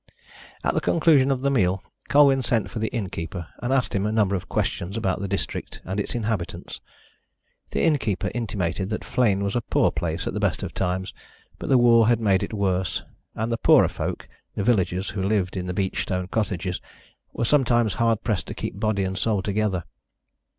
At the conclusion of the meal Colwyn sent for the innkeeper, and asked him a number of questions about the district and its inhabitants. The innkeeper intimated that Flegne was a poor place at the best of times, but the war had made it worse, and the poorer folk the villagers who lived in the beach stone cottages were sometimes hard pressed to keep body and soul together.